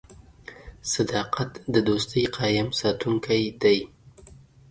• صداقت د دوستۍ قایم ساتونکی دی.